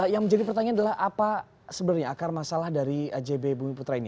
yang menjadi pertanyaan adalah apa sebenarnya akar masalah dari ajb bumi putra ini